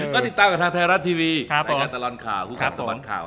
ก็ติดตามกับทางไทยรัฐทีวีรายการตลอดข่าวผู้ของสวรรค์ข่าว